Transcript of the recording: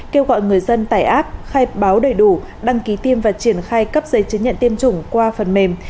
kêu gọi người dân tải app khai báo đầy đủ đăng ký tiêm và triển khai cấp giấy chứng nhận tiêm chủng qua phần mềm